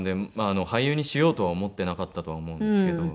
俳優にしようとは思ってなかったとは思うんですけど。